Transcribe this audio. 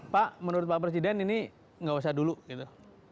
pak menurut pak presiden ini nggak usah dulu gitu